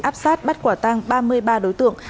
áp sát bắt quả tăng ba mươi ba đối tượng